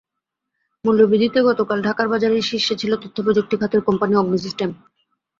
মূল্যবৃদ্ধিতে গতকাল ঢাকার বাজারে শীর্ষে ছিল তথ্যপ্রযুক্তি খাতের কোম্পানি অগ্নি সিস্টেম।